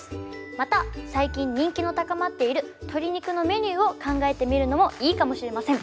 また最近人気の高まっている鶏肉のメニューを考えてみるのもいいかもしれません。